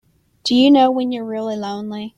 Do you know when you're really lonely?